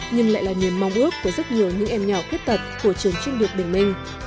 nhưng lại là niềm mong ước của rất nhiều những em nhỏ kết tật của trường trung độc bình minh